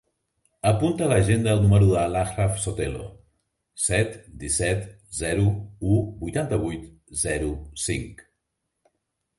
Apunta a l'agenda el número de l'Achraf Sotelo: set, disset, zero, u, vuitanta-vuit, zero, cinc.